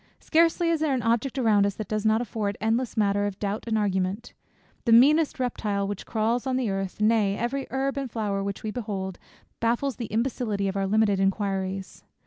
Scarcely is there an object around us, that does not afford endless matter of doubt and argument. The meanest reptile which crawls on the earth, nay, every herb and flower which we behold, baffles the imbecility of our limited inquiries.